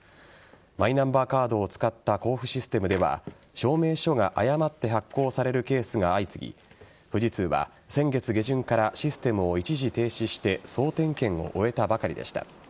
マイナンバーカードを使った交付システムでは証明書が誤って発行されるケースが相次ぎ富士通は先月下旬からシステムを一時停止して総点検を終えたばかりでした。